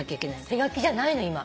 手書きじゃないの今。